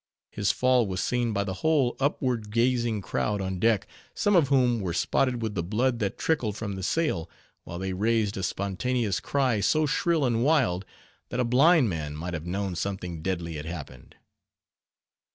His fall was seen by the whole upward gazing crowd on deck, some of whom were spotted with the blood that trickled from the sail, while they raised a spontaneous cry, so shrill and wild, that a blind man might have known something deadly had happened.